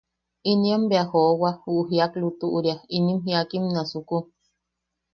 Inien bea joowa ju jiak lutuʼuria inim jiakim nasuku.